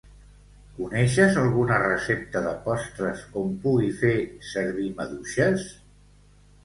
Coneixes alguna recepta de postres on pugui fer servir maduixes?